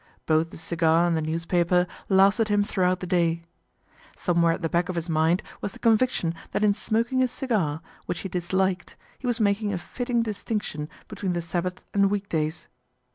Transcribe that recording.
Both the cigar and the newspaper lasted him throughout the day Somewhere at the back of his mind was* the conviction that in smoking a cigar, which he disliked, he was making a fitting distinction between the Sabbath and week days.